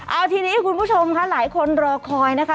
เอาทีนี้คุณผู้ชมค่ะหลายคนรอคอยนะคะ